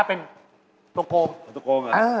เออโอเค